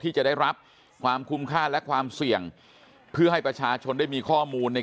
ที่จะได้รับความคุ้มค่าและความเสี่ยงเพื่อให้ประชาชนได้มีข้อมูลใน